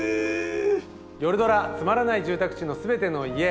夜ドラ「つまらない住宅地のすべての家」